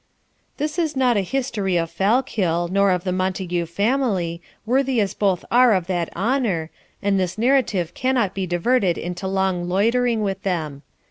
This is not a history of Fallkill, nor of the Montague family, worthy as both are of that honor, and this narrative cannot be diverted into long loitering with them.